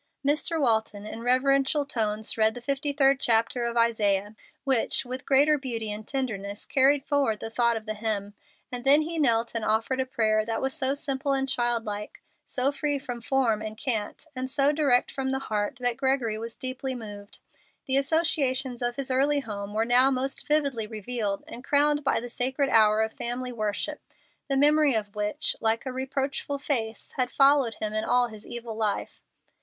Mr. Walton, in reverential tones, read the fifty third chapter of Isaiah, which, with greater beauty and tenderness, carried forward the thought of the hymn; and then he knelt and offered a prayer that was so simple and child like, so free from form and cant, and so direct from the heart, that Gregory was deeply moved. The associations of his early home were now most vividly revealed and crowned by the sacred hour of family worship, the memory of which, like a reproachful face, had followed him in all his evil life.